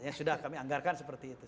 yang sudah kami anggarkan seperti itu